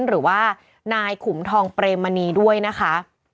หรือว่านายขุมทองเปรมมณีด้วยนะคะ